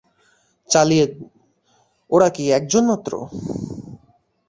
ওরা কি একজন মাত্র।